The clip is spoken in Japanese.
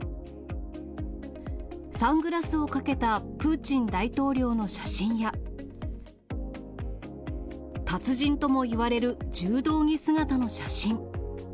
サングラスをかけたプーチン大統領の写真や、達人ともいわれる柔道着姿の写真。